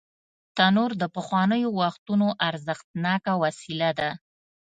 تنور د پخوانیو وختونو ارزښتناکه وسیله ده